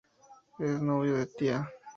Es novio de Tia.